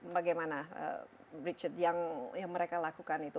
bagaimana richard yang mereka lakukan itu